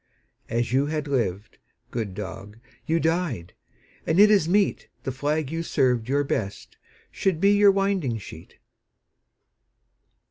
As you had lived, good dog, you died, And it is meet The flag you served your best should be Your winding sheet.